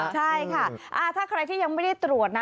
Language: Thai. ใช่ค่ะถ้าใครที่ยังไม่ได้ตรวจนะ